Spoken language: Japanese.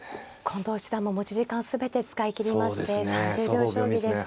近藤七段も持ち時間全て使い切りまして３０秒将棋です。